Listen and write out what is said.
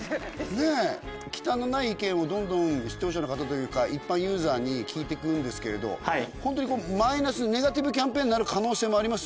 忌憚のない意見をどんどん視聴者の方というか一般ユーザーに聞いていくんですけれど本当にマイナスネガティブキャンペーンになる可能性もありますよ。